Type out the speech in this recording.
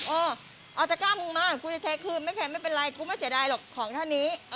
เอาตะก้าคุณมากูจะเทคืมไม่เป็นไรกูไม่เสียดายหรอกของเท่านี้